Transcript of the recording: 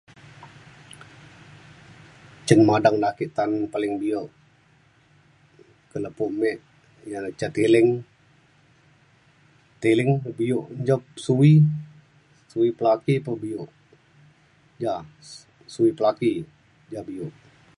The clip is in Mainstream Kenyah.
cin madang ake ta’an paling bio ke lepo me ia’ na ca tiling. tiling bio njam suwi suwi laki pa bio ja su-suwi laki ja bio